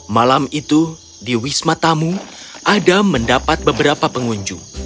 malam itu di wisma tamu adam mendapat beberapa pengunjung